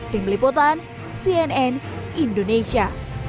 tim liputan cnn indonesia